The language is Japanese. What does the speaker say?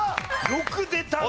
よく出たな！